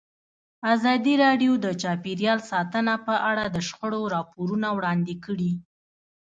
ازادي راډیو د چاپیریال ساتنه په اړه د شخړو راپورونه وړاندې کړي.